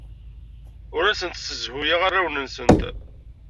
Ur asent-ssezhuyeɣ arraw-nsent.